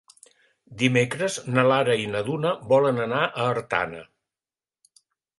Dimecres na Lara i na Duna volen anar a Artana.